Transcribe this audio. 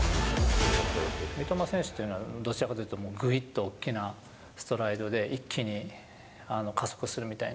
三笘選手っていうのは、どちらかというと、ぐいっと大きなストライドで、一気に加速するみたいな。